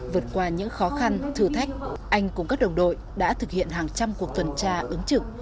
vượt qua những khó khăn thử thách anh cùng các đồng đội đã thực hiện hàng trăm cuộc tuần tra ứng trực